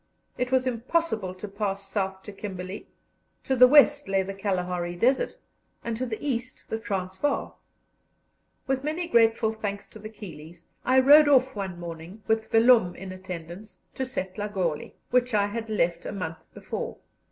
It was impossible to pass south to Kimberley, to the west lay the Kalahari Desert, and to the east the Transvaal. With many grateful thanks to the Keeleys, I rode off one morning, with Vellum in attendance, to Setlagoli, which I had left a month before.